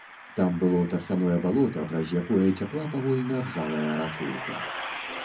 Там было тарфяное балота, праз якое цякла павольна ржавая рачулка.